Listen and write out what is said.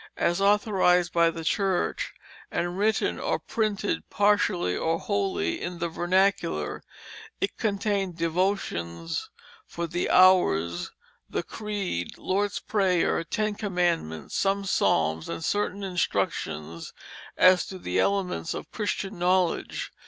As authorized by the Church, and written or printed partially or wholly in the vernacular, it contained devotions for the hours, the Creed, Lord's Prayer, Ten Commandments, some psalms and certain instructions as to the elements of Christian knowledge.